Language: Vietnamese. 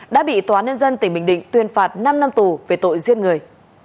đã bị tòa nhân dân tỉnh bình định tuyên phạt năm năm tù về tội giết người